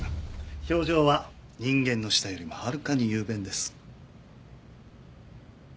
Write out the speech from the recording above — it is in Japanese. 表情は人間の舌よりもはるかに雄弁です。